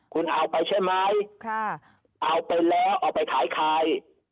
คุณเอาไปใช่ไหมเอาไปแล้วเอาไปขายใคร